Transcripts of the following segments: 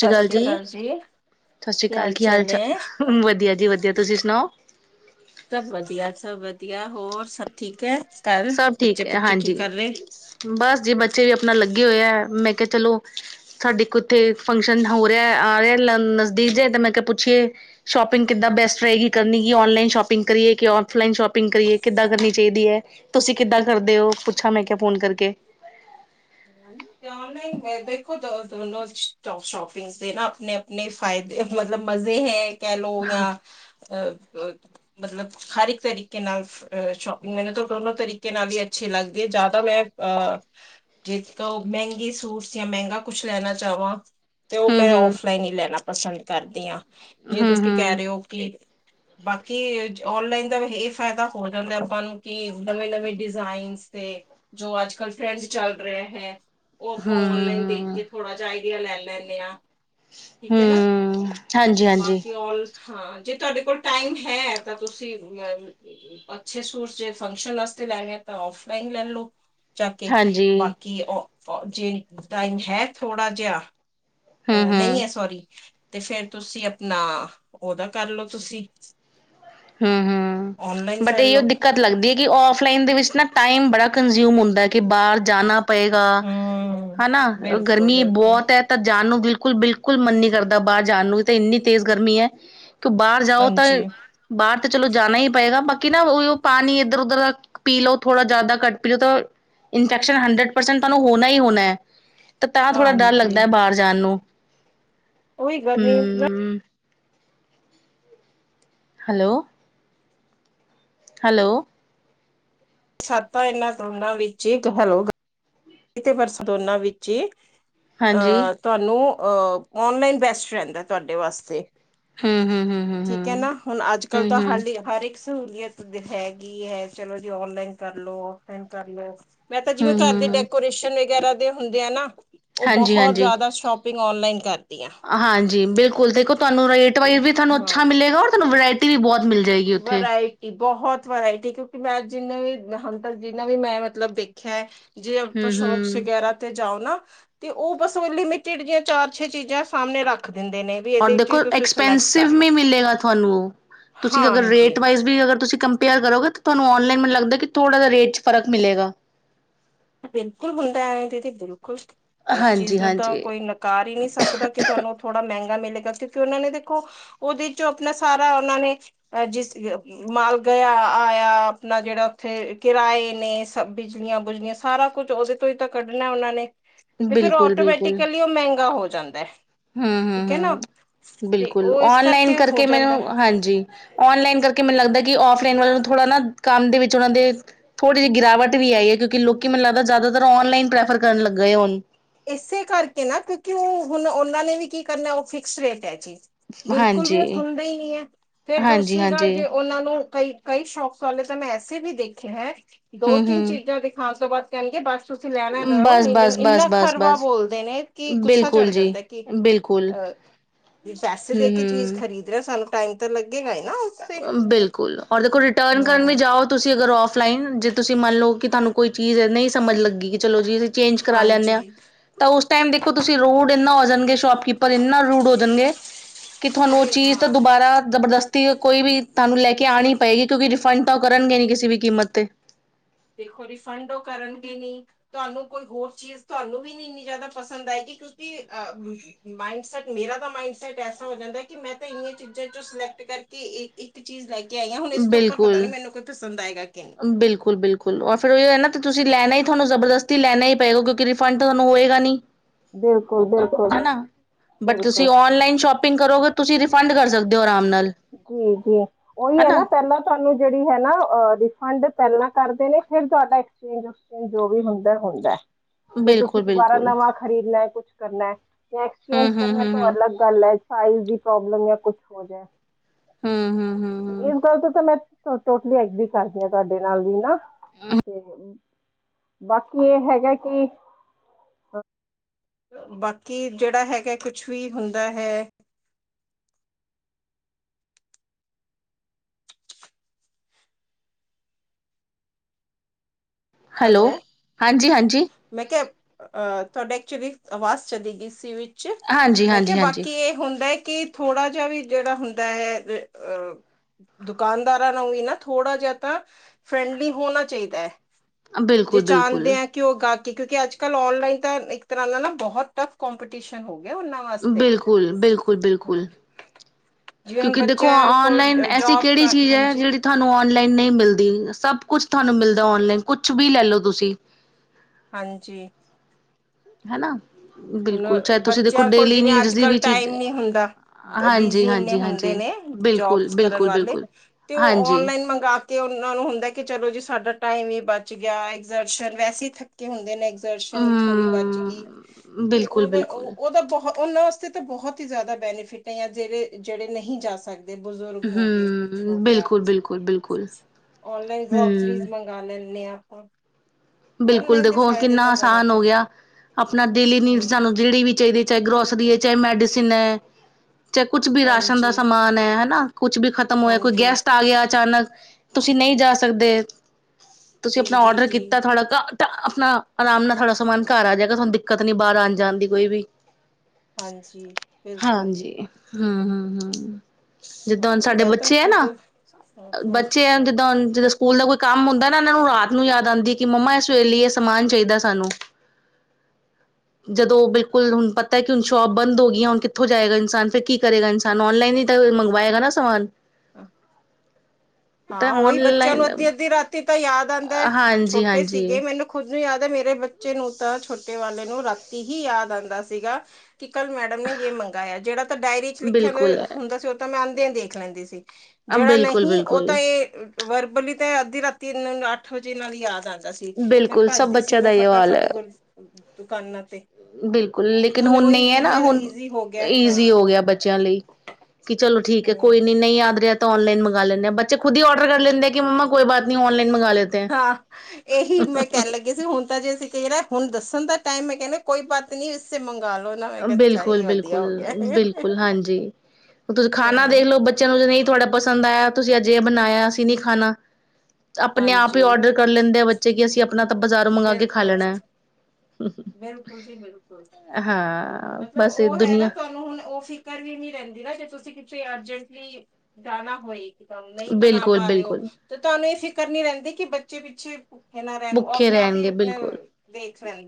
ਸਸ ਰੀ ਕਾਲ ਜੀ। ਸਸ ਰੀ ਕਾਲ ਕੀ ਹਾਲ -ਚਾਲ, ਵਧੀਆ ਜੀ ਵਧੀਆ ਤੁਸੀਂ ਸੁਣਾਓ। ਸਭ ਵਧੀਆ- ਸਭ ਵਧੀਆ, ਹੋਰ ਸਭ ਠੀਕ ਐ। ਸਭ ਠੀਕ ਹੈ ਹਾਂਜੀ, ਬਸ ਜੀ ਬੱਚੇ ਵੀ ਆਪਣਾ ਲੱਗੇ ਕੀ ਹੋਇਆ ਮੈਂ ਕਿਹਾ ਚਲੋ, ਸਾਡੇ ਇੱਕ ਉੱਥੇ ਫੰਕਸ਼ਨ ਹੋ ਰਿਹਾ ਆ ਰਿਹਾ ਨਜ਼ਦੀਕ ਜਿਹਾ ਮੈਂ ਕਿਹਾ ਪੁੱਛੀਏ ਸ਼ੋਪਿੰਗ ਕਿੱਦਾਂ ਬੈਸਟ ਰਹੇਗੀ ਕਰਨੀ, ਕਿ ਔਨਲਾਈਨ ਸ਼ੋਪਿੰਗ ਕਰੀਏ, ਕਿ ਔਫਲਾਈਨ ਸ਼ੋਪਿੰਗ ਕਰੀਏ। ਕਿੱਦਾਂ ਕਰਨੀ ਚਾਹੀਦੀ ਐ, ਤੁਸੀਂ ਕਿੱਦਾਂ ਕਰਦੇ ਹੋ ਪੁੱਛਾਂ ਮੈਂ ਕਿਹਾ ਫੋਨ ਕਰਕੇ। ਤੇ ਔਨਲਾਈਨ ਦੇਖੋੋ, ਦੋਨੋ ਸ਼ੋਪਿੰਗ ਦੇ ਨਾ ਆਪਣੇ -ਆਪਣੇ ਫਾ ਮਤਲਬ ਮਜ਼ੇ ਹੈ, ਕਹਿ ਲਓ ਹੂੰ ਜਾਂ ਅ ਮਤਲਬ ਹਰ ਇੱਕ ਤਰੀਕੇ ਨਾਲ ਆਹ ਸ਼ੋਪਿੰਗ, ਮੈਨੂੰ ਤਾਂ ਦੋਨੋ ਤਰੀਕੇ ਨਾਲ ਈ ਅੱਛੇ ਲੱਗਦੇ ਐ। ਜਾਂ ਤਾਂ ਮੈਂ ਅ ਜੇਕਰ ਉਹ ਮਹਿੰਗੇ ਸੂਟ ਜਾਂ ਮਹਿੰਗਾ ਕੁਛ ਲੈਣਾ ਚਾਹਵਾਂ, ਤੇ ਉਹ ਹੂੰ ਮੈਂ ਹੂੰ ਔਫਲਾਈਨ ਹੀ ਲੈਣਾ। ਪਸੰਦ ਕਰਦੀ ਆ, ਜੇ ਹੂੰ ਤੁਸੀਂ ਕਹਿ ਰਹੇ ਹੂੰ ਹੋ ਕਿ ਬਾਕੀ ਔਨਲਾਈਨ ਦਾ ਇਹ ਫਾਇਦਾ ਹੋ ਜਾਂਦਾ, ਆਪਾਂ ਨੂੰ ਕਿ ਨਵੇਂ -ਨਵੇਂ ਡਿਜ਼ਾਇਨ ਤੇ ਜੋ ਅੱਜ -ਕੱਲ ਟਰੈਂਡ ਚੱਲ ਰਿਹਾ ਹੈ, ਉਹ ਆਪਾਂ ਔਨਲਾਈਨ ਦੇਖ ਹੂੰ ਹੂੰ ਕੇ ਥੋੜਾ ਜਾ ਆਈਡੀਆ ਲੈ ਲੈਂਨੇ ਆਂ। ਠੀਕ ਹੈ ਨਾ, ਹੂੰ ਹਾਂਜੀ ਹਾਂਜੀ ਬਾਕੀ ਔਨ ਹਾਂ, ਜੇ ਤੁਹਾਡੇ ਕੋਲ ਟਾਈਮ ਹੈ ਤਾਂ ਤੁਸੀਂ ਅ ਅੱਛੇ ਸੂਟਸ ਫੰਕਸ਼ਨ ਵਾਸਤੇ ਲੈਣੇ ਆ ਤਾਂ ਔਫਲਾਈਨ ਲੈ ਲੋ। ਜਾਕੇ ਹਾਂਜੀ ਬਾਕੀ ਅ ਉ ਜੇ ਟਾਈਮ ਹੈ ਥੋੜਾ ਜਿਹਾ ਹੂੰ ਅਹ ਹੂੰ ਨਹੀਂ ਐ ਸੋਰੀ, ਤੇ ਫੇਰ ਤੁਸੀਂ ਆਪਣਾ ਉਹਦਾ ਕਰ ਲਓ ਤੁਸੀਂ। ਹੂੰ, ਹੂੰ, ਔਨਲਾਈਨ ਬਟ ਕਰ ਇਹ ਉਹ ਲਓ ਦਿੱਕਤ ਲੱਗਦੀ ਐ ਕਿ ਔਫਲਾਈਨ ਦੇ ਵਿੱਚ ਨਾ ਟਾਈਮ ਬੜਾ ਕੰਨਜ਼ਿਊਮ ਹੁੰਦਾ ਆ, ਕਿ ਬਾਹਰ ਜਾਣਾ ਪਏਗਾ, ਹੂੰ, ਹਨਾ ਗਰਮੀ ਬਿਲਕੁਲ-ਬਿਲਕੁਲ, ਬਹੁਤ ਆ ਤਾਂ ਜਾਣ ਨੂੰ ਬਿਲ ਬਿਲਕੁਲ ਬਿਲਕੁਲ ਮਨ ਨੀ ਕਰਦਾ ਬਾਹਰ ਜਾਣ ਨੂੰ ਤਾਂ ਇੰਨੀ ਤੇਜ਼ ਗਰਮੀ ਐ ਕਿ ਬਾਹਰ ਜਾਓ ਤਾਂ ਬਾਹਰ ਤਾਂ ਚਲੋ ਜਾਣਾ ਹੀ ਪਏਗਾ ਬਾਕੀ ਨਾ ਉਹ ਪਾਣੀ ਇੱਧਰ ਉੱਧਰ ਪੀ ਲਓ ਥੋੜ੍ਹਾ ਜ਼ਿਆਦਾ ਘੱਟ ਪੀ ਲਓ ਤਾਂ ਇੰਸਟਰਕਸ਼ਨ ਹੰਡਰਡ ਪਰਸੈਂਟ ਤੁਹਾਨੂੰ ਹੋਣਾ ਹੀ ਹੋਣਾ ਐ, ਤੇ ਤਾਂ ਥੋੜ੍ਹਾ ਡਰ ਹਾਂਜੀ-ਹਾਂਜੀ। ਲੱਗਦਾ ਹੈ ਬਾਹਰ ਜਾਣ ਨੂੰ। ਉਹੀ ਹੂੰ ਗਰਮੀ ਨਾ ਹੈਲੋ ਹੈਲੋ ਸੱਤਾਂ ਇਹਨਾਂ ਦੋਨਾਂ ਵਿੱਚ ਏ ਇੱਕ ਹੈਲੋ ਤੇ ਪਰਸ ਦੋਨਾਂ ਵਿੱਚ ਏ। ਹਾਂਜੀ ਅਹ ਤੁਹਾਨੂੰ ਅਹ ਓਨਲਾਈਨ ਬੈਸਟ ਰਹਿੰਦਾ ਤੁਹਾਡੇ ਵਾਸਤੇ। ਠੀਕ ਐ ਹੂੰ-ਹੂੰ-ਹੂੰ-ਹੂੰ-ਹੂੰ। ਨਾ ਹੁਣ ਅੱਜਕੱਲ ਤਾਂ ਹੂੰ-ਹੂੰ, ਹਾਲ ਹਰ ਇੱਕ ਸਹੂਲੀਅਤ ਹੈਗੀ ਐਂ ਚਲੋ ਜੀ ਔਨਲਾਈਨ ਕਰਲੋ ਫਲਾਈਨ ਕਰਲੋ। ਮੈਂ ਤਾਂ ਜਿਵੇਂ ਘਰ ਦੇ ਡੈ ਹੂੰ-ਹੂੰ, ਵਗੈਰਾ ਦੇ ਹੁੰਦੇ ਆ ਨਾ, ਉਹ ਹਾਂਜੀ-ਹਾਂਜੀ। ਬਹੁਤ ਹਾਂਜੀ ਹਾਂਜੀ ਜ਼ਿਆਦਾ ਸ਼ੋਪਿੰਗ ਔਨਲਾਈਨ ਕਰ ਹਾਂਜੀ ਬਿਲਕੁਲ ਦੇਖੋ ਤੁਹਾਨੂੰ ਰੇਟ ਤੇ ਵਾਈਜ਼ ਵੀ ਤੁਹਾਨੂੰ ਹਾਂ ਅੱਛਾ ਮਿਲੇਗਾ ਔਰ ਤੁਹਾਨੂੰ ਵਰਾਇ ਵੀ ਬਹੁਤ ਮਿਲ ਜਾਏਗੀ ਉੱਥੇ। ਵਰਾਇਟੀ ਬਹੁਤ ਵਰਾਇਟੀ ਕਿਉਂਕਿ ਮੈਂ ਜਿੰਨੇ ਵੀ ਹੁਣ ਤੱਕ ਜਿੰਨਾ ਵੀ ਮੈਂ ਮਤਲਬ ਦੇਖਿਆ ਐ ਜੇ ਆਪਾਂ ਸ਼ੌਕਸ ਹੂੰ-ਹੂੰ ਵਗੈਰਾ ਤੇ ਜਾਓ ਨਾ ਤੇ ਉਹ ਬਸ ਉਹ ਲਿਮਿਟਿਡ ਜੀਆ ਚਾਰ ਛੇ ਚੀਜ਼ਾਂ ਸਾਹਮਣੇ ਰੱਖ ਦਿੰਦੇ ਨੇ ਵੀ ਔਰ ਇਹਦੇ ਚ ਦੇਖੋ ਹੀ ਤੁਸੀਂ ਸਿਲੈਕਟ ਕਰ ਐਕਸਪੈਂਸਿਵ ਵੀ ਲਓ ਮਿਲੇਗਾ ਤੁਹਾਨੂੰ ਉਹ। ਤੁਸੀਂ ਅਗਰ ਹਾਂਜੀ ਰੇਟ ਵਾਈਜ਼ ਵੀ ਅਗਰ ਤੁਸੀਂ ਕੰ ਪੇਅਰ ਕਰੋਗੇ ਤਾਂ ਤੁਹਾਨੂੰ ਉਨਲਾਈਨ ਮੈਨੂੰ ਲੱਗਦਾ, ਥੋੜਾ ਰੇਟ 'ਚ ਫ਼ਰਕ ਮਿਲੇਗਾ। ਬਿਲਕੁਲ ਹੁੰਦਾ ਆਵੇ ਦੀਦੀ ਬਿਲ ਖੁਸ਼ ਇਸ ਚੀਜ਼ ਨੂੰ ਤਾਂ ਹਾਂਜੀ-ਹਾਂਜੀ, ਕੋਈ ਨਕਾਰ ਹੀ ਨਹੀ ਸਕਦਾ ਕਿ ਤੁਹਾਨੂੰ ਥੋੜਾ ਮਹਿੰਗਾ ਮਿਲੇਗਾ ਕਿਉਂਕਿ ਉਹਨਾਂ ਨੇ ਦੇਖੋ ਉਹਦੇ ਚੋਂ ਆਪਣਾ ਸਾਰਾ ਉਹਨਾਂ ਨੇ ਅ ਜਿਸ ਮਾਲ ਗਇਆ, ਆਇਆ ਆਪਣਾ ਜਿਹੜਾ ਉੱਥੇ ਕਿਰਾਏ ਨੇ ਸਭ ਬਿਜਲੀਆਂ-ਬੁਜਲੀਆਂ ਸਾਰਾ ਕੁਜ ਔਸੇ ਦੇ ਤੋ ਹੀ ਤਾ ਕੱਢਣਾ ਔਨਾਂ ਨੇ, ਤੇ ਫੇਰ ਆਟੋਮੈਟਿਕਲੀ ਉਹ ਮਹਿੰਗਾ ਹੋ ਜਾਂਦਾ। ਹੂੰ ਹੂੰ ਠੀਕ ਹੈ ਨਾ ਹੂੰ। ਤੇ ਬਿਲਕੁਲ ਉਹ ਇਸ ਔਨਲਾਈਨ ਹੋ ਕਰਕੇ ਜਾਂਦਾ ਮੈਨੂੰ ਹਾਂਜੀ ਔਨਲਾਈਨ ਕਰਕੇ ਮੈਨੂੰ ਲੱਗਦਾ ਕਿ ਆਫਲਾਈਨ ਵਾਲੇ ਨੂੰ ਥੋੜਾ ਨਾ ਕੰਮ ਦੇ ਵਿੱਚ ਉਹਨਾਂ ਦੇ, ਥੋੜੀ ਜਿਹੀ ਗਿਰਾਵਟ ਵੀ ਆਈ ਹੈ ਕਿਉਂਕਿ ਲੋਕੀ ਮੈਨੂੰ ਲੱਗਦਾ ਜਿਆਦਾ ਮਤਲਬ ਔਨਲਾਈਨ ਪ੍ਰੈਫਰ ਕਰਨ ਲੱਗ ਗਏ ਹੁਣ। ਇਸੇ ਕਰਕੇ ਨਾ ਕਿਉਂਕਿ ਉਹ ਹੁਣ ਉਹਨਾਂ ਨੇ ਵੀ ਕੀ ਕਰਨਾ ਉਹ ਫਿਕਸ ਰੇਟ ਹੈ ਜੀ। ਬਿਲਕੁਲ ਵੀ ਉਹ ਹਾਂਜੀ, ਸੁਨਦੇ ਹੀ ਨਹੀਂ ਐ ਫੇਰ ਦੂਸਰੀ ਗੱਲ ਹਾਂਜੀ-ਹਾਂਜੀ ਜੇ ਉਹਨਾਂ ਨੂੰ ਕਈ, ਕਈ ਸ਼ੌਪਸ ਵਾਲੇ ਤਾਂ ਮੈਂ ਐਸੇ ਵੀ ਦੇਖੇ ਹੈ ਦੋ-ਤਿੰਨ ਹੂੰ-ਹੂੰ ਚੀਜ਼ਾਂ ਦਿਖਾਣ ਤੋਂ ਬਾਦ ਕਹਿਣਗੇ ਬਾਕ ਤੁਸੀਂ ਲੈਣਾ ਏ ਲਓ ਬਸ-ਬਸ, ਨਹੀ ਤੇ ਬਸ-ਬਸ, ਬਸ ਇੰਨਾ ਬਸ ਬਸ ਕੜਵਾ ਬਸ ਬੋਲਦੇ ਨੇ ਕਿ ਬਸ ਗੁੱਸਾ ਚੜ ਬਿਲਕੁਲ ਜੀ ਜਾਂਦਾ ਕਿ ਬਿਲਕੁਲ ਅਹ ਪੈਸੇ ਦੇ ਕੇ ਚੀਜ਼ ਹੂੰ-ਹੂੰ ਖਰੀਦ ਰਹੇ ਓ ਸਾਨੂੰ ਟਾਈਮ ਤਾਂ ਲੱਗੇਗਾ ਈ। ਬਿਲਕੁਲ ਔਰ ਦੇਖੋ ਰਿਟਰਨ ਕਰਨ ਵੀ ਹੂੰ ਜਾਔ ਤੁਸੀਂ ਅਗਰ ਆਫਲਾਈਨ ਜੇ ਤੁਸੀਂ ਮੰਨ ਲਓ ਕਿ ਤੁਹਾਨੂੰ ਕੋਈ ਚੀਜ਼ ਨਈ ਸਮਝ ਲੱਗੀ ਕਿ ਚਲੋ ਜੀ ਚੇਂਜ ਕਰਾ ਲੈਨੇ ਆ, ਹਾਂਜੀ ਤਾਂ ਉਸ ਟਾਈਮ ਦੇਖੋ ਤੁਸੀਂ ਰੂਡ ਇੰਨਾ ਹੋ ਜਾਣਗੇ ਸ਼ੋਪ ਕੀਪਰ ਇੰਨਾ ਰੂਡ ਹੋ ਜਾਣਗੇ, ਕਿ ਤੁਹਾਨੂੰ ਉਹ ਅਰੇ ਚੀਜ਼ ਤਾਂ ਹਾਂ ਦੁਬਾਰਾ ਜਬਰਦਸਤੀ ਕੋਈ ਵੀ ਤੁਹਾਨੂੰ ਲੈ ਕੇ ਆਣੀ ਪਏਗੀ ਕਿਉਂਕਿ ਰਿਫੰਡ ਤਾਂ ਉਹ ਕਰਨਗੇ ਨੀ ਕਿਸੇ ਵੀ ਕੀਮਤ ਤੇ। ਦੇਖੋ ਰਿਫੰਡ ਔਹ ਕਰਨਗੇ ਨੀ, ਤੁਹਾਨੂੰ ਕੋਈ ਹੋਰ ਚੀਜ਼ ਤੁਹਾਨੂੰ ਵੀ ਨੀ ਇੰਨੀ ਜ਼ਿਆਦਾ ਪਸੰਦ ਆਏਗੀ ਕਿਉਂਕਿ ਮਾਇੰਡ ਸੈਟ ਮੇਰਾ ਤਾਂ ਮੰਡਸੈਟ ਐਸਾ ਹੋ ਜਾਂਦਾ ਕਿ ਮੈਂ ਤਾਂ ਇ ਚੀਜ਼ਾਂ ਚੋ ਸਿਲੈਕਟ ਕਰਕੇ ਇਹ ਇੱਕ ਚੀਜ਼ ਲੈ ਕੇ ਆਈ ਆ ਹੁਣ ਇਸ ਤੋਂ ਉੱਪਰ ਪਤਾ ਨੀ ਬਿਲਕੁਲ ਮੈਨੂੰ ਕੋਈ ਪਸੰਦ ਆਏਗਾ ਕਿ ਨੀ। ਬਿਲਕੁਲ ਬਿਲਕੁਲ ਫਿਰ ਓਹੀ ਐ ਨਾ ਤੁਸੀਂ ਲੈਣਾ ਹੀ ਤੁਹਾਨੂੰ ਜ਼ਬਰਦਸਤੀ ਲੈਣਾ ਹੀ ਪਏਗਾ ਕਿਉਕਿ ਰਿਫੰਡ ਤਾ ਤੁਹਾਨੂੰ ਹੋਏਗਾ ਨੀ। ਬਿਲਕੁਲ ਬਿਲਕੁਲ ਹਨਾ, ਬਟ ਤੁਸੀਂ ਬਿਲਕੁਲ ਔਨਲਾਈਨ ਸ਼ੋਪਿੰਗ ਕਰੋਗੇ ਤੁਸੀ ਰਿ ਫੰਡ ਕਰ ਸਕਦੇ ਓ ਆਰਾਮ ਨਾਲ ਠੀਕ ਆ, ਉਹੀ ਹੈ ਹਨਾ ਨਾ ਪਹਿਲਾਂ ਤੁਹਾਨੂੰ ਜਿਹੜੀ ਹੈ ਨਾ ਰਿਫੰਡ ਪਹਿਲਾ ਕਰਦੇ ਨੇ। ਫੇਰ ਤੁਹਾਡਾ ਐਕਸਚੇਂਜ ਕਸਚੇਂਜ ਜੋ ਵੀ ਹੁੰਦਾ, ਹੁੰਦਾ। ਜੇ ਤੁਸੀ ਬਿਲਕੁਲ ਦੁਬਾਰਾ ਬਿਲਕੁਲ ਨਵਾ ਖਰੀਦਨਾ ਏ। ਕੁਝ ਕਰਨਾ। ਐਕਸਚੇਂਜ ਹੂੰ ਹੂੰ ਕਰਨਾ ਹੂੰ ਤੋ ਹੂੰ ਅਲੱਗ ਗੱਲ ਏ। ਸਾਈਜ ਦੀ ਪੌਬਲਮ ਯਾ ਕੁਝ ਹੋ ਜੇ। ਹੂੰ ਹੂੰ ਹੂੰ ਹੂੰ ਇਸ ਗੱਲ ਤੋ ਤਾਂ ਮੈਂ ਟੋਟਲੀ ਐਗ੍ਰੀ ਕਰਦੀ ਆ। ਤੁਹਾਡੇ ਨਾਲ ਵੀ ਨਾ। ਤੇ। ਬਾਕੀ ਇਹ ਹੈਗਾ ਕਿ। ਬਾਕੀ ਜਿਹੜਾ ਹੈਗਾ ਕੁਝ ਵੀ ਹੁੰਦਾ ਹੈ। ਹੈਲੋ। ਹਾਂ ਜੀ ਹਾਂ ਜੀ। ਮੈਂ ਕਿਹਾ ਅ ਤੁਆਡਾ ਐਕਚਲੀ ਆਵਾਜ਼ ਚਲੀ ਗਈ ਸੀ ਵਿੱਚ। ਹਾਂਜੀ ਮੈਂ ਕਿਹਾ ਹਾਂਜੀ ਹਾਂਜੀ ਬਾਕੀ ਇਹ ਹੁੰਦਾ। ਕਿ ਥੋੜਾ ਜਿਹਾ ਵੀ ਜਿਹੜਾ ਹੁੰਦਾ ਹੈ ਅ। ਦੁਕਾਨਦਾਰਾ ਨੂੰ ਵੀ ਨਾ ਥੋੜਾ ਜਿਹਾ ਤਾ ਫਰੈਂਡਲੀ ਹੋਨਾ ਚਾਹੀਦਾ ਐ। ਜੇ ਬਿਲਕੁਲ ਚਾਉਂਦੇ ਬਿਲਕੁਲ ਆ ਕਿ ਉਹ ਗਾਹ। ਕਿਉਂਕਿ ਅੱਜ-ਕੱਲ ਔਨਲਾਈਨ ਤਾਂ ਇੱਕ ਤਰਾ ਦਾ ਨਾ ਬਹੁਤ ਟਫ ਕੌਮਪੀਟੀਸ਼ਿਨ ਹੋ ਗਿਆ। ਉਹਨਾਂ ਵਾਸਤੇ ਬਿਲਕੁਲ ਬਿਲਕੁਲ ਹਾਂ ਬਿਲਕੁਲ। ਜਿਵੇਂ ਹੁਣ ਕਿਉਂਕਿ ਦੇਖੋ ਬੱਚਿਆਂ ਕੋਲ ਔਨਲਾਈਨ ਐਸੀ ਜੋਬ ਕਿਹੜੀ ਕਰ ਚੀਜ਼ ਐ ਹਾਂਜੀ ਜਿਹੜੀ ਥਾਨੂੰ ਔਨਲਾਈਨ ਨਹੀ। ਮਿਲਦੀ ਸਭ ਕੁਝ ਥਾਂਨੂੰ ਮਿਲਦਾ ਔਨਲਾਈਨ ਕੁਝ ਵੀ ਲੈ ਲੋ ਤੁਸੀ। ਹਾਂ ਜੀ। ਹੈਨਾ। ਹੁਣ ਬੱਚਿਆਂ ਕੋਲ ਜਿਵੇਂ ਨੀਡਸ ਦੀ ਅੱਜ-ਕੱਲ ਵੀ ਚੀਜ਼ ਟਾਈਮ ਨੀ ਹੁੰਦਾ। ਹਾਂਜੀ ਬਿਜੀ ਇੰਨੇ ਹਾਂਜੀ ਹੁੰਦੇ। ਹਾਂਜੀ ਨੇ ਬਿਲਕੁਲ ਜੋਬਸ ਕਰਨ ਬਿਲਕੁਲ ਵਾਲੇ ਬਿਲਕੁਲ ਤੇ ਉਹ ਹਾਂਜੀ ਔਨਲਾਈਨ ਮੰਗਵਾ ਕੇ ਉਹਨਾ ਨੂੰ ਹੁੰਦਾ ਕਿ ਚਲੋ ਜੀ ਸਾਡਾ। ਟਾਈਮ ਵੀ ਬਚ ਗਿਆ। ਐਗਜਰਸ਼ਨ ਵੈਸੇ ਥੱਕੇ ਹੁੰਦੇ ਨੇ। ਐਗਜਰਸ਼ਨ ਥੋੜੀ ਬਚ ਗਈ। ਹੂੰ ਤੇ ਬਿਲਕੁਲ ਉਹਦਾ ਉਹ ਬਿਲਕੁਲ ਉਹਦਾ ਬਹੁਤ। ਉਹਨਾਂ ਵਾਸਤੇ ਤਾਂ ਬਹੁਤ ਹੀ ਜਿਆਦਾ ਬੈਨੀਫਿਟ ਏ ਜਾ ਜਿਹੜੇ-ਜਿਹੜੇ ਨਹੀਂ ਜਾ ਸਕਦੇ। ਬਜ਼ੁਰਗ ਹੋ ਗਏ ਕੁਛ ਹੋ ਹੂੰ ਗਿਆ ਬਿਲਕੁਲ, ਬਿਲਕੁਲ, ਬਿਲਕੁਲ। ਔਨਲਾਈਨ ਗਰੋਸਰੀਜ਼ ਮੰਗਾ ਲੈਨੇ ਆ ਆਪਾਂ। ਬਿਲਕੁਲ ਔਨਲਾਈਨ ਦੇ ਦੇਖੋ। ਫਾਇਦੇ ਕਿੰਨਾ ਤਾਂ ਆਸਾਨ ਬਹੁਤ ਹੋ ਹੈ ਗਿਆ। ਆਪਨੀ ਡੇਲੀ ਨੀਡਸ ਹਮ ਸਾਨੂੰ ਜਿਹੜੀ ਵੀ ਚਾਹੀਦੇ। ਚਾਹੇ ਗਰੋਸਰੀ ਏ, ਚਾਹੇ ਮੈਡੀਸਿਨ ਏ, ਚਾਹੇ ਕੁਝ ਵੀ ਰਾਸ਼ਨ ਦਾ ਹਾਂਜੀ ਸਮਾਨ ਐ। ਹੈਨਾ। ਕੁਝ ਵੀ ਖਤਮ ਹੋਏ। ਕੋਈ ਹਾਂਜੀ ਗੈਸਟ ਆ ਗਿਆ ਅਚਾਨਕ। ਤੁਸੀ ਨਹੀਂ ਜਾ ਸਕਦੇ। ਤੁਸੀਂ ਜੀ ਆਪਣਾ ਜੀ ਔਡਰ ਜੀ। ਕੀਤਾ ਤੁਹਾਡਾ ਘ ਆਪਣਾ ਆਰਾਮ ਨਾਲ ਸਾਰਾ ਸਮਾਨ ਘਰ ਆ ਗਿਆ। ਤੁਹਾਨੂੰ ਦਿੱਕਤ ਨੀ ਬਾਹਰ ਆਉਣ ਜਾਣ ਦੀ ਕੋਈ ਵੀ। ਹਾਂ ਜੀ ਬਿਲਕੁਲ। ਹਮ ਹਮ ਹਮ। ਜਿੱਦਾਂ ਹੁਣ ਹਾਂ ਸਾਡੇ ਮੈਂ ਤਾਂ ਬੱਚੇ ਹੈ ਖੁਦ ਨਾ। ਹਾਂ, ਬੱਚੇ ਹਾਂਜੀ ਆ ਜਿੱਦਾਂ ਹੁਣ ਜਿੱਦ। ਸਕੂਲ ਦਾ ਕੋਈ ਕੰਮ ਹੁੰਦਾ ਨਾ ਇਹਨਾਂ ਨੂੰ ਰਾਤ ਨੂੰ ਯਾਦ ਆਉਂਦੀ। ਕਿ ਮੰਮਾ ਇਸ ਵੇਲੇ ਸਮਾਨ ਚਾਹੀਦਾ ਸਾਨੂੰ। ਜਦੋਂ ਬਿਲਕੁਲ ਹੁਣ ਪਤਾ ਹੈ ਹੁਣ ਸ਼ੋਪ ਬੰਦ ਹੋ ਗਈਆਂ। ਹੁਣ ਕਿੱਥੋਂ ਜਾਏਗਾ ਇਨਸਾਨ। ਫਿਰ ਕੀ ਕਰੇਗਾ ਇਨਸਾਨ? ਔਨਲਾਈਨ ਹੀ। ਮੰਗਵਾਏਗਾ ਨਾ ਸਮਾਨ। ਆਹ। ਹਾਂ। ਤਾਂ ਉਹੀ ਬੱਚਿਆਂ ਨੂੰ ਔਨਲਾਈਨ ਅੱਧੀ-ਅੱਧੀ ਰਾਤੀ ਤਾਂ ਯਾਦ ਆਉਂਦਾ ਹੈ। ਹਾਂਜੀ ਛੋਟੇ ਹਾਂਜੀ ਸੀਗੇ ਮੈਨੂੰ ਖੁਦ। ਮੈਨੂੰ ਯਾਦ ਹੈ ਮੇਰੇ ਬੱਚੇ ਨੂੰ ਤਾਂ ਛੋਟੇ ਵਾਲੇ ਨੂੰ ਰਾਤੀ ਹੀ ਯਾਦ ਆਉਂਦਾ ਸੀਗਾ। ਕਿ ਕੱਲ੍ਹ ਮੈਡਮ ਨੇ ਯੇ ਮੰਗਾਇਆ ਜਿਹੜਾ ਤਾਂ ਡਾਇਰੀ ' ਲਿਖਿਆ ਬਿਲਕੁਲ ਹੈ ਹੁੰਦਾ ਸੀ। ਉਹ ਤਾਂ ਮੈਂ ਆਉਂਦਿਆਂ ਹੀ ਦੇਖ ਲੈਂਦੀ ਸੀ। ਜਿਹੜਾ ਬਿਲਕੁਲ ਨਹੀਂ। ਉਹ ਤਾਂ ਬਿਲਕੁਲ ਇਹ ਵਰਬਲੀ ਤਾਂ ਅੱਧੀ ਰਾਤੀ ਇਹ ਅੱਠ ਵਜੇ ਇਹਨਾਂ ਦੀ ਯਾਦ ਆਉਂਦੀ। ਸੀ। ਫਿਰ ਬਿਲਕੁਲ ਸਭ ਭੱਜਦੀ ਸੀ ਬੱਚਿਆਂ ਮੈਂ ਦਾ ਇਹ ਹਾਲ ਫਟਾਫਟ ਹੈ ਗਲ ਦੁਕਾਨਾਂ ਤੇ। ਬਿਲਕੁਲ ਲੇਕਿਨ ਹੁਣ ਉਹੀ ਨਹੀਂ ਹੈ ਨਾ। ਕਿੰਨਾ ਹੁਣ ਈਜ਼ੀ ਹੋ ਗਿਆ ਈਜ਼ੀ ਹਾਂ ਹੋ ਗਿਆ ਬੱਚਿਆਂ ਲਈ। ਕਿ ਚਲੋ ਠੀਕ ਹੈ ਕੋਈ ਹਮ ਨੀ ਨਹੀਂ ਯਾਦ ਰਿਹਾ। ਆਨਲਾਈਨ ਮੰਗਵਾ ਲੈਂਦੇ ਆ। ਬੱਚੇ ਖੁਦ ਆਰਡਰ ਕਰ ਲੈਂਦੇ ਕਿ ਮਮਾ ਕੋਈ ਬਾਤ ਨਹੀਂ ਆਨਲਾਈਨ। ਹਾਂ। ਇਹੀ ਮੈਂ ਕਹਿਣ ਲੱਗੀ ਸੀ ਹੁਣ ਤਾਂ ਜੇ ਅਸੀਂ ਕ ਨਾ ਹੁਣ ਦੱਸ। ਹੁਦਾ ਟਾਈਮ ਹੈ ਕਹਿੰਦਾ ਕੋਈ ਬਾਤ ਨੀ ਇਸੇ ਮੰ। ਬਿਲਕੁਲ ਬਿਲਕੁਲ ਬਿਲਕੁਲ ਹਾਂ ਜੀ। ਤੁਸੀ ਖਾਣਾ ਹਾਂ ਦੇਖ ਲਉ ਬੱਚਿਆਂ ਨੂੰ ਨਹੀਂ। ਤੁਹਾਡਾ ਪਸੰਦ ਆਇਆ। ਤੁਸੀਂ ਅੱਜ ਇਹ ਬਣਾਇਆ ਅਸੀਂ ਨੀ ਖਾਣਾ। ਆਪਣੇ ਆਪ ਹੀ ਹਾਂਜੀ ਆਰਡਰ ਕਰ ਲੈਂਦੇ ਆ। ਬੱਚੇ ਕਿ ਅਸੀਂ ਆਪਣਾ ਤਾਂ ਬਜ਼ਾਰੋਂ ਮੰਗਵਾ ਕੇ ਖਾ ਬਿਲਕੁਲ ਲੈਣਾ। ਬਿਲਕੁਲ ਜੀ ਬਿਲਕੁਲ ਹੈ ਹਾਂ ਮਤਲਬ ਬਸ ਇਹ ਉਹ ਹੈ ਨਾ ਦੁਨੀਆਂ ਤੁਹਾਨੂੰ ਹੁਣ ਉਹ ਫ਼ਿਕਰ ਵੀ ਨੀ ਰਹਿੰਦੀ ਨਾ ਜੇ ਤੁਸੀਂ ਅਰਜੈਂਟਲੀ ਜਾਣਾ ਹੋਏ ਕਿ ਤੁਹਾਨ ਨਹੀਂ ਬਣਾ ਬਿਲਕੁਲ ਪਾ ਰਹੇ ਹੋ ਬਿਲਕੁਲ ਤੇ ਤੁਹਾਨੂੰ ਇਹ ਕਰਨੀ ਰਹਿੰਦੀ ਕਿ ਬੱਚੇ ਪਿੱਛੇ ਭੁੱਖੇ ਨਾ ਰਹਿਣ ਭੁੱਖੇ ਆਪਣੇ ਆਪ ਹੀ ਰਹਿਣਗੇ ਆਪਣਾ ਬਿਲਕੁਲ ਦੇਖ ਲੈਣ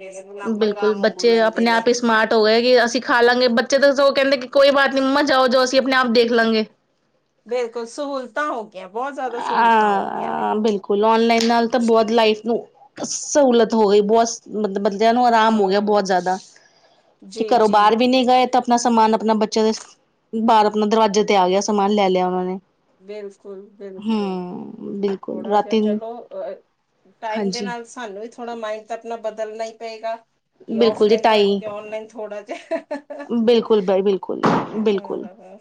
ਬਿਲਕੁਲ ਬੱਚੇ ਆਪਣੇ ਆਪ ਹੀ ਸਮਾਰਟ ਹੋ ਗਏ ਕਿ ਅਸੀਂ ਖਾ ਲਾਂਗੇ ਬੱਚੇ ਤਾਂ ਕਹਿੰਦੇ ਕਿ ਕੋਈ ਬਾਤ ਨੀ ਮੰਮਾ ਜਾਓ ਜੋ ਅਸੀਂ ਆਪਣੇ ਆਪ ਦੇਖ ਲਾਂਗੇ ਬਿਲਕੁਲ ਸਹੂਲਤਾਂ ਹੋਗ ਹਾਂ ਬਿਲਕੁਲ ਔਨਲਾਈਨ ਨਾਲ ਤਾਂ ਬਹੁਤ ਲਾਈਫ ਨੂੰ ਸਹੂਲਤ ਹੋ ਗਈ ਬਹੁਤ ਮਤਲਬ ਮਤਲਬ ਨੂੰ ਆਰਾਮ ਹੋ ਗਿਆ ਬਹੁਤ ਜ਼ਿਆਦਾ [unintelligible] ਤੇ ਜੀ ਘਰੋਂ ਜੀ ਬਾਹਰ ਵੀ ਨਹੀਂ ਗਏ ਤਾਂ ਬਸ ਸਮਾਨ ਆਪਣਾ ਬੱਚਿਆਂ ਦੇ ਬਾਹਰ ਆਪਣਾ ਦਰਵਾਜ਼ੇ ਤੇ ਆ ਗਿਆ ਸਮਾਨ ਲੈ ਲਿਆ ਉਹਨਾਂ ਨੇ ਬਿਲਕੁਲ, ਬਿਲਕੁਲ ਹਮ ਬਿਲਕੁਲ ਥੋੜਾ ਜਿਹਾ ਰਾਤੀ ਚਲੋ ਅ ਟਾਈਮ ਦੇ ਹਾਂਜੀ ਨਾਲ ਸਾਨੂੰ ਵੀ ਥੋੜਾ ਮਾਈੰਡ ਤਾਂ ਆਪਣਾ ਬਦਲਣਾ ਈ ਪਏਗਾ ਕਿ ਬਿਲਕੁਲ ਜੀ ਔਫਲਾਈਨ ਤੁਹਾਡ ਢਾਈ ਕੇ ਔਨਲਾਈਨ ਥੋੜਾ ਜਿਹਾ [unintelligible] ਬਿਲਕੁਲ ਬਾਈ ਬਿਲਕੁਲ ਬਿਲਕੁਲ ਹੂੰ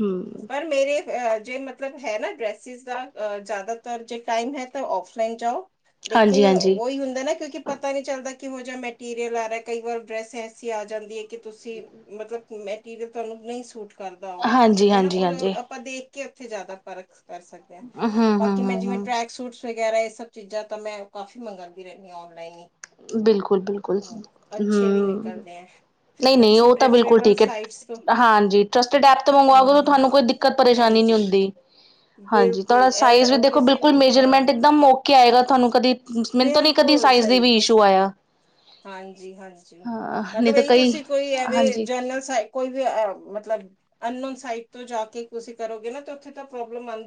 ਹਮ ਪਰ ਮੇਰੇ ਅ ਜੇ ਮਤਲਬ ਹੈ ਨਾ ਡਰੈਸਿਸ ਦਾ ਜ਼ਿਆਦਾਤਰ ਜੇ ਟਾਈਮ ਹੈ ਤਾਂ ਔਫਲਾਈਨ ਜਾਓ ਲੇਕਿਨ ਹਾਂਜੀ ਹਾਂਜੀ ਉਹੀ ਹੁੰਦਾ ਨਾ ਕਿਉਂਕਿ ਪਤਾ ਨਹੀਂ ਚੱਲਦਾ ਕਿਹੋ ਜਿਹਾ ਮੈਟੀਰੀਅਲ ਆ ਰਿਹਾ ਕਈ ਵਾਰ ਡਰੈਸ ਐਸੀ ਆ ਜਾਂਦੀ ਹੈ ਕਿ ਤੁਸੀਂ ਮਤਲਬ ਮੈਟੀਰੀਅਲ ਤੁਹਾਨੂੰ ਨਹੀਂ ਸੂਟ ਕਰਦਾ ਉਹ ਹਾਂਜੀ ਠੀਕ ਹੈ ਨਾ ਹਾਂਜੀ ਉਹ ਹਾਂਜੀ ਆਪਾਂ ਦੇਖ ਕੇ ਉੱਥੇ ਜ਼ਿਆਦਾ ਫਰਕ ਕਰ ਸਕਦੇ ਹਾਂ ਹਮ ਹਮ ਬਾਕੀ ਮੈਂ ਹਮ ਜਿਵੇਂ ਹਮ ਟਰੈਕ ਸੂਟਸ ਵਗੈਰਾ ਇਹ ਸਭ ਚੀਜ਼ਾਂ ਤਾਂ ਮੈਂ ਕਾਫੀ ਮੰਗਉਂਦੀ ਰਹਦੀ ਹਾਂ ਔਨਲਾਈਨ ਈ ਬਿਲਕੁਲ ਬਿਲਕੁਲ ਵੀ ਹਮ ਨਿਕਲਦੇ ਹੈ ਨਹੀਂ ਨਹੀਂ। ਅੱਛੀ ਉਹ ਤਾਂ ਬਿਲਕੁਲ ਪ੍ਰੈਫਰੇਬਲ ਠੀਕ ਹੈ। ਸਾਈਟਸ ਤੋਂ ਹਾਂਜੀ [unintelligible] ਐਪ ਤੇ ਹੂੰ ਮੰਗਵਾ ਹੂੰ ਤੁਹਾਨੂੰ ਕੋਈ ਦਿੱਕਤ ਪਰੇਸ਼ਾਨੀ ਨੀਂ ਹਾਂਜੀ। ਹੁੰਦੀ ਹਾਂਜੀ ਤੁਹਾੜਾ ਬਿਲਕੁਲ ਐਵੇਂ ਸਾਈਜ਼ ਵੀ ਉਹ ਦੇਖੋ ਕਿਸੇ ਬਿਲਕੁਲ ਵੀ ਹਾਂ ਮੇਜਰਮੈਂਟ ਇਕਦਮ ਓਕੇ ਆਏਗਾ ਤੁਹਾਨੂੰ ਕਦੀ ਮੈਨੂੰ ਤੋਂ ਨੀ ਕਦੀ ਬਿਲਕੁਲ ਸਾਈਜ਼ ਦੀ ਸਹੀ ਵੀ ਇਸ਼ੂ ਆਇਆ ਹਾਂਜੀ ਹਾਂਜੀ ਹਾਂ ਨਹੀਂ ਮਤਲਬ ਤਾਂ ਇਹ ਕਈ ਤੁਸੀਂ ਕੋਈ ਐਵੇ ਹਾਂਜੀ ਜਨਰਲ ਸ ਕੋਈ ਵੀ ਮਤਲਬ ਅਨ ਨੌਨ ਸਾਈਡ ਤੋਂ ਜਾ ਕੇ ਤੁਸੀਂ ਕਰੋਗੇ ਨਾ ਤੇ ਉੱਥੇ ਤਾਂ ਪ੍ਰੋਬਲਮ ਆਉ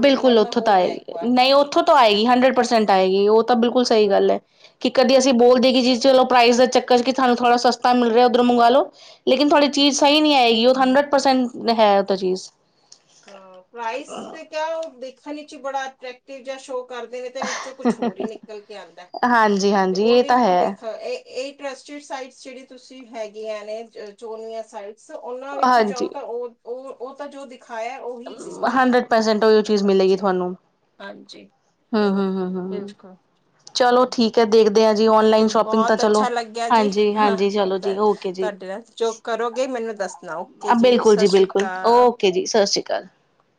ਬਿਲਕੁਲ ਉੱਥੋਂ ਤਾਂ ਆਏਗੀ ਨਹੀਂ ਉੱਥੋਂ ਤੋਂ ਆਏਗੀ ਹੰਡਰਡ ਪਰਸੈਂਟ ਆਏਗੀ ਤਾਂ ਬਿਲਕੁਲ ਸਹੀ ਗੱਲ ਐ ਹਾਂ ਕਿ ਕਦੀ ਅਸੀਂ ਬੋਲਦੇ ਹ ਕਿ ਜੀ ਚਲੋ ਪ੍ਰਾਈਜ਼ ਦਾ ਚੱਕਰ ਚ ਤੁਾਨੂੰ ਥੋੜਾ ਸਤਾ ਮਿਲ ਰਿਹਾ ਉੱਧਰ ਮੰਗਵਾ ਲ ਲੋ ਲੇਕਿਨ ਥੋੜੀ ਚੀਜ ਸਹੀ ਨਹੀਂ ਆਏਗੀ ਉਹ ਹਮ, ਹੰਡਰਡ ਪਰਸੈਂਟ ਹੈ ਉਹ ਤਾਂ ਚੀਜ਼ ਹਾਂ ਪ੍ਰਾਈਸ ਤੇ ਕਿਆ ਉਹ ਦੇਖਨ ਚੀ ਬੜਾ ਅਟ੍ਰੈਕਟੀਵ ਜਾਂ ਸ਼ੋ ਕਰਦੇ ਨੇ ਤੇ ਵਿੱਚੋਂ ਕੁਛ ਹੋਰ ਹੀ ਨਿਕਲ ਕੇ ਆਉਂਦਾ ਹਾਂਜੀ ਤੇ ਹਾਂਜੀ ਇਹ ਉਹਦੀ ਤਾਂ ਹੈ ਭੁਲੇਖਾ ਇਹ ਇਹ ਟਰਸਟਡ ਸਾਈਟ ਜਿਹੜੀ ਤੁਸੀਂ ਹੈਗੀਆਂ ਨੇ ਚੋਨਵੀਆਂ ਸਾਈਟ ਉਹਨਾਂ ਵਿੱਚ ਜਾਓ ਹਾਂਜੀ ਤਾਂ ਉਹ ਉਹ ਉਹ ਤਾਂ ਜੋ ਦਿਖਾਇਆ ਉਹੀ ਦਿਖਦੇ ਆ ਹੰਡਰਡ ਪਰਸੈਂਟ ਉਹ ਚੀਜ਼ ਮਿਲੇਗੀ ਹਾਂਜੀ ਤੁਹਾਨੂੰ ਹਾਂਜੀ [unintelligible] ਹੂੰ ਹੂੰ ਹੂੰ ਹੂੰ ਬਿਲਕੁਲ ਚਲੋ ਠੀਕ ਹੈ ਦੇਖਦੇ ਹਾਂ ਜੀ ਓਨਲਾਈਨ ਚਲ ਸ਼ੋਪਿੰਗ ਤਾਂ ਬਹੁਤ ਚਲੋ ਅੱਛਾ ਲੱਗਿਆ ਜੀ ਹਾਂਜੀ ਹਾਂ ਹਾਂਜੀ ਚਲੋ ਜੀ ਓਕੇ ਜੀ ਤੁਹਾਡੇ ਨਾਲ ਜੋ ਕਰੋਗੇ ਮੈਨੂੰ ਦੱਸਣਾ ਓਕੇ [unintelligible] ਬਿਲਕੁਲ ਜੀ ਸਤਿ ਸ਼੍ਰੀ ਬਿਲਕੁਲ ਅਕਾਲ ਓਕੇ ਜੀ ਸਤਿ ਸ਼੍ਰੀ ਅਕਾਲ [unintelligible]